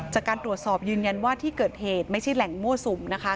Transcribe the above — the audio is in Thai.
จากการตรวจสอบยืนยันว่าที่เกิดเหตุไม่ใช่แหล่งมั่วสุมนะคะ